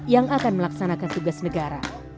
yang akan melaksanakan tugas negara